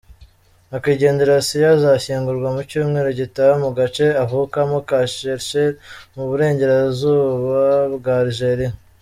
Nyakwigendera Assia, azashyingurwa mu cyumweru gitaha mu gace avukamo ka Cherchell, mu Burengerazubabwa Algeria.